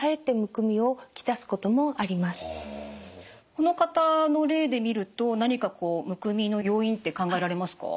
この方の例で見ると何かむくみの要因って考えられますか？